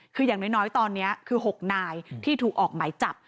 คืออย่างน้อยตอนนี้คือ๖นายที่ถูกออกหมายจับ